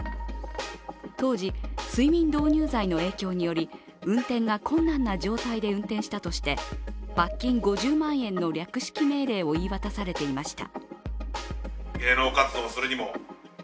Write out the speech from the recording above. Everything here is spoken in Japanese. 当時、睡眠導入剤の影響により運転が困難な状態で運転したとして罰金５０万円の略式命令を言い渡されていました